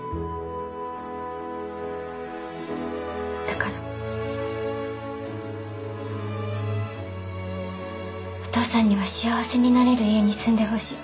だからお父さんには幸せになれる家に住んでほしい。